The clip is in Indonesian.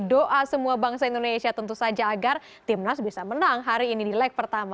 semoga semua bangsa indonesia tentu saja agar tim nasional bisa menang hari ini di lag pertama